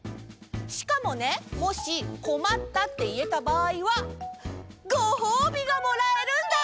しかもねもし「こまった」っていえたばあいはごほうびがもらえるんだ！